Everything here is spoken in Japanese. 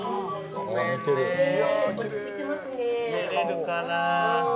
出れるかな？